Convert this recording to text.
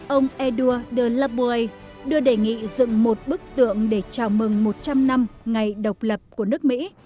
ông edua de laboei đưa đề nghị dựng một bức tượng để chào mừng một trăm linh năm ngày độc lập của nước mỹ